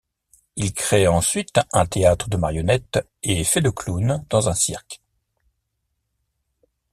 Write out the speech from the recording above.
Il crée ensuite un théâtre de marionnettes et fait le clown dans un cirque.